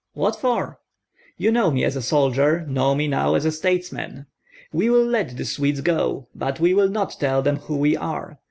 "What for?" "You know me as a soldier, know me now as a statesman. We will let the Swedes go, but we will not tell them who we are.